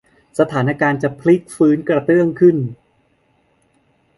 สถานการณ์จะพลิกฟื้นกระเตื้องขึ้น